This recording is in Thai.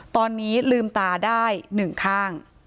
ตอนนี้ลืมตาได้๑ข้าง